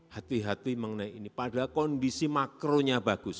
hati hati mengenai ini padahal kondisi makronya bagus